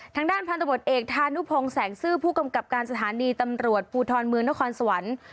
ทางด้านพันธบทเอกธานุพงศ์แสงซื่อผู้กำกับการสถานีตำรวจภูทรเมืองนครสวรรค์